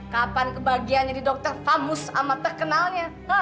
kapan kebahagiaan jadi dokter kamu sama terkenalnya